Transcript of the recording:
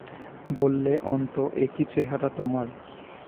বললে, অন্তু, এ কী চেহারা তোমার?